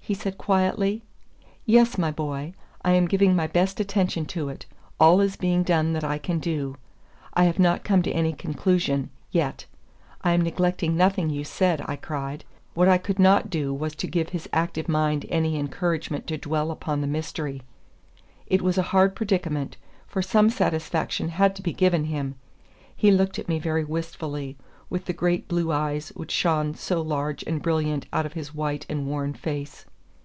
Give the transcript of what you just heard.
he said quietly. "Yes, my boy, I am giving my best attention to it; all is being done that I can do. I have not come to any conclusion yet. I am neglecting nothing you said," I cried. What I could not do was to give his active mind any encouragement to dwell upon the mystery. It was a hard predicament, for some satisfaction had to be given him. He looked at me very wistfully, with the great blue eyes which shone so large and brilliant out of his white and worn face.